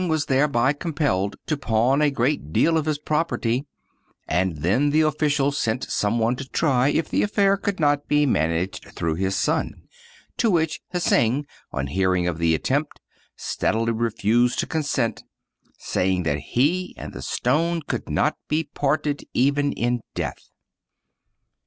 43 Oriental Mystery Stories was thereby compelled to pawn a great deal of his prop erty; and then the official sent some one to try if the affair could not be managed through his son, to which Hsing, on hearing of the attempt, steadily refused to con sent, saying that he and the stone could not be parted even in death.